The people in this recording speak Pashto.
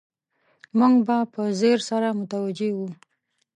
موږ به په ځیر سره متوجه وو.